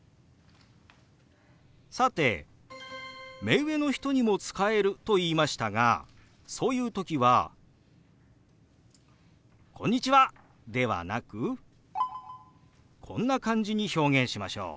さて目上の人にも使えると言いましたがそういう時は「こんにちは！」ではなくこんな感じに表現しましょう。